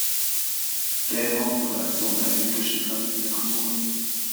Gellhorn wurde als Sohn einer jüdischen Familie geboren.